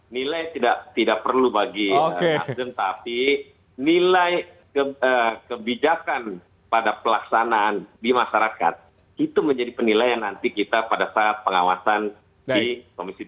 nilai tidak perlu bagi nasdem tapi nilai kebijakan pada pelaksanaan di masyarakat itu menjadi penilaian nanti kita pada saat pengawasan di komisi tiga